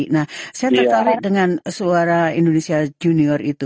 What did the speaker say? nah saya tertarik dengan suara indonesia junior itu